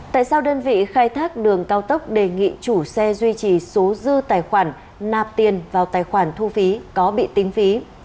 tại sao đơn vị khai thác đường cao tốc đề nghị chủ xe duy trì số dư tài khoản nạp tiền vào tài khoản thu phí có bị tính phí